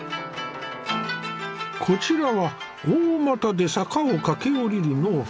こちらは大股で坂を駆け下りる農夫。